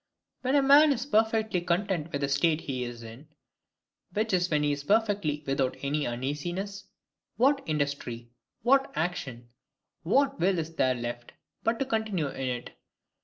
When a man is perfectly content with the state he is in—which is when he is perfectly without any uneasiness—what industry, what action, what will is there left, but to continue in it?